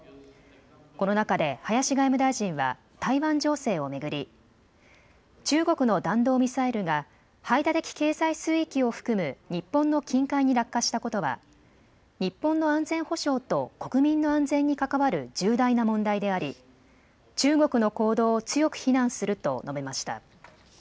この中で林外務大臣は台湾情勢を巡り、中国の弾道ミサイルが排他的経済水域を含む日本の近海に落下したことは、日本の安全保障と国民の安全に関わる重大な問題であり中国の行動を強く非難すると述べました。